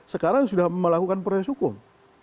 sekarang sudah melakukan proses hukum